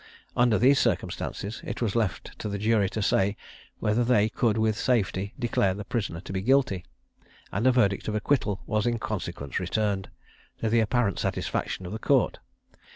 Under these circumstances, it was left to the jury to say, whether they could with safety declare the prisoner to be guilty; and a verdict of acquittal was in consequence returned, to the apparent satisfaction of the Court.